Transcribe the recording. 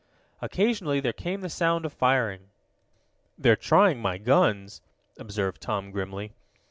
Occasionally there came the sound of firing. "They're trying my guns," observed Tom grimly.